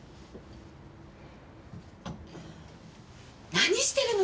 何してるの！？